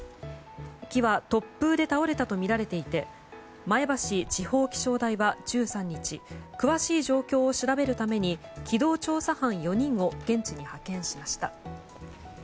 木は突風で倒れたとみられていて前橋地方気象台は１３日詳しい状況を調べるために機動調査班４人を現地に派遣しました。